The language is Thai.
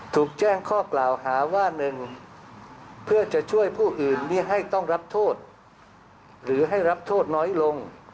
ถูกแจ้งข้อกล่าวหาว่า๑เพื่อจะช่วยผู้อื่นที่ให้ต้องรับโทษหรือให้รับโทษน้อยลง